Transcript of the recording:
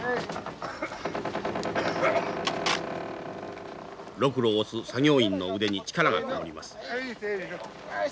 ロクロを押す作業員の腕に力がこもります。